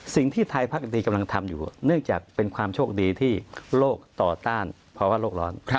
สิ่งที่ไทยพักดีกำลังทำอยู่เนื่องจากเป็นความโชคดีที่โลกต่อต้านภาวะโลกร้อน